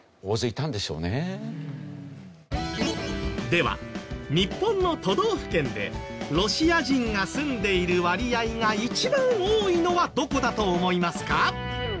では日本の都道府県でロシア人が住んでいる割合が一番多いのはどこだと思いますか？